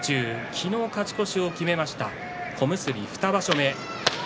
昨日、勝ち越しを決めました小結２場所目。